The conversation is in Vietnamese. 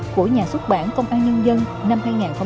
của nhà xuất bản công an nhân dân năm hai nghìn năm